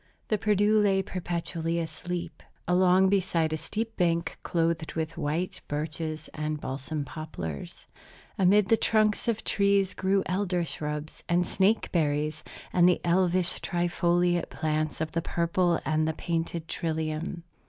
The Perdu lay perpetually asleep, along beside a steep bank clothed with white birches and balsam poplars. Amid the trunks of the trees grew elder shrubs, and snake berries, and the elvish trifoliate plants of the purple and the painted trillium.